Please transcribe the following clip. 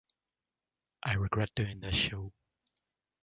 I regret doing this show.